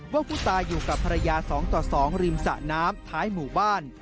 ว่าผู้ตายอยู่กับภรรยา๒ต่อ๒ริมสะน้ำท้ายหมู่บ้าน